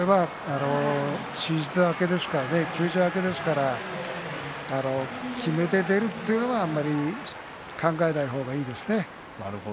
手術明けで休場明けですからきめて出るというのはあまり考えない方がいいですね。